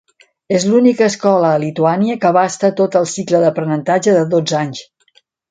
És l'única escola a Lituània que abasta tot el cicle d'aprenentatge de dotze anys.